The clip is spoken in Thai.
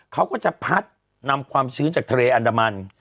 เขาก็จะพัดนำความชื้นจากทะเลอันดามัน